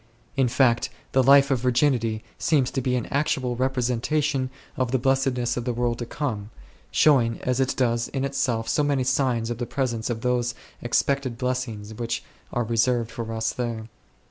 In fact, the Life of Virginity seems to be an actual representation of the blessedness in the world to come, showing as it does in itself so many signs of the presence of those expected blessings which are reserved for us there.